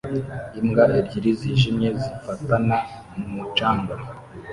Imbwa ebyiri zijimye zifatana mu mucanga